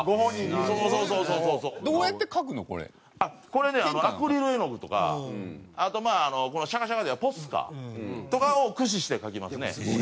これねアクリル絵の具とかあとまあこのシャカシャカでポスカとかを駆使して書きますね。